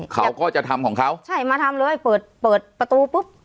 เขาก็จะทำของเขาใช่มาทำเลยเปิดเปิดประตูปุ๊บ